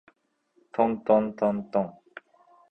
とんとんとんとん